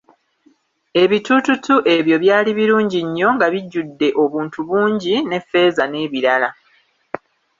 Ebituututu ebyo byali birungi nnyo nga bijjudde obuntu bungi, ne feeza n'ebirala.